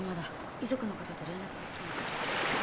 遺族の方と連絡がつかなくて。